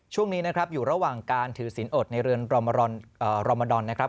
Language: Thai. ช่วงนี้นะครับอยู่ระหว่างการถือศีลอดในเรือนรอมดอนนะครับ